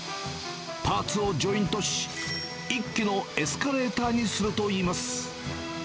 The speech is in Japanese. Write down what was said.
パーツをジョイントし、１基のエスカレーターにするといいます。